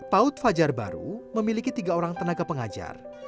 paut fajar baru memiliki tiga orang tenaga pengajar